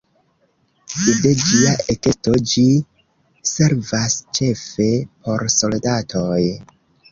De ĝia ekesto ĝi servas ĉefe por soldatoj.